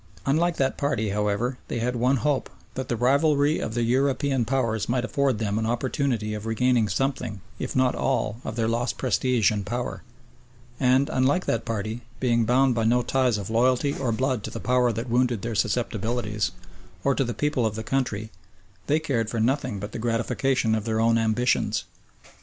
Unlike that party, however, they had one hope that the rivalry of the European Powers might afford them an opportunity of regaining something, if not all, of their lost prestige and power; and, unlike that party, being bound by no ties of loyalty or blood to the Power that wounded their susceptibilities, or to the people of the country, they cared for nothing but the gratification of their own ambitions.